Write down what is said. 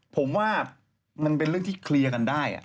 ผมว่ามันเป็นเรื่องที่เคลียร์กันได้